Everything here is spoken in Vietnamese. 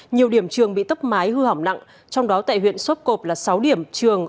nhiều điểm trường bị tốc mái hư hỏng nặng trong đó tại huyện sốp cộp là sáu điểm trường